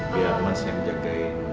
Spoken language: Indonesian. biar mas yang jagain